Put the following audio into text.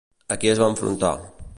A qui es va enfrontar?